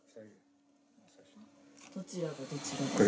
どちらがどちらですか？